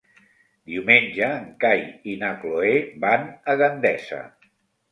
Diumenge en Cai i na Cloè van a Gandesa.